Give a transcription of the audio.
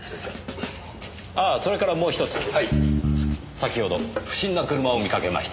先ほど不審な車を見かけました。